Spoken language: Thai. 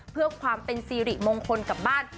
เพื่อความเป็นสิริมงคลกับบ้าน